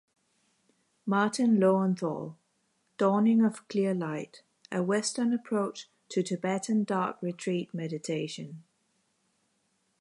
Martin Lowenthal "Dawning of Clear Light: A Western Approach to Tibetan Dark Retreat Meditation"